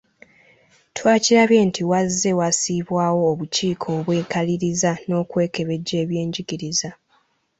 Twakirabye nti wazze wassibwawo obukiiko obwekaliriza n'okwekebejja eby'enjigiriza.